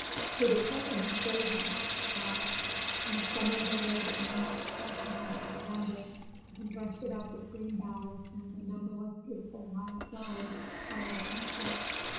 To the children the stove was a household god. In summer they laid a mat of fresh moss all round it, and dressed it up with green boughs and the numberless beautiful wild flowers of the Tyrol country.